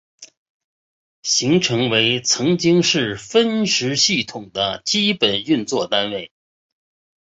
行程为曾经是分时系统的基本运作单位。